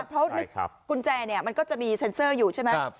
เพราะกุญแจมันก็จะมีเซ็นเซอร์อยู่ใช่ไหม